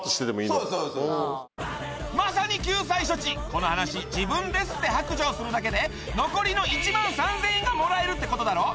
そうですそうですまさに救済処置「この話自分です」って白状するだけで残りの１万３０００円がもらえるってことだろ